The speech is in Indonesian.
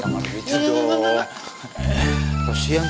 kamar lu gitu dong